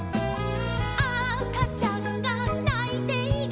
「あかちゃんがないている」